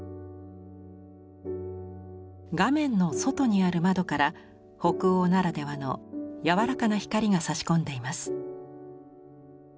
画面の外にある窓から北欧ならではの柔らかな光がさし込んでいます。